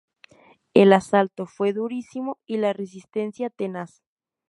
El asalto fue durísimo y la resistencia tenaz.